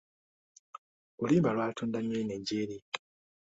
Oluyimba lwatunda nnyo e Nigeria.